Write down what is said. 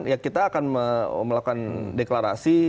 ya kita akan melakukan deklarasi